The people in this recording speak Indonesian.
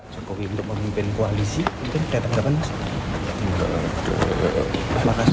jokowi untuk memimpin koalisi mungkin ada tanggapan apa